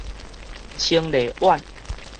清麗苑